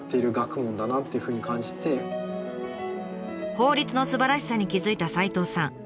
法律のすばらしさに気付いた齋藤さん。